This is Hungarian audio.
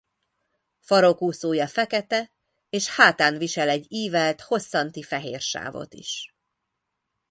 Farokúszója fekete és hátán visel egy ívelt hosszanti fehér sávot is.